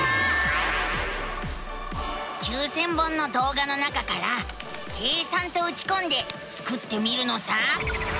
９，０００本のどうがの中から「計算」とうちこんでスクってみるのさ。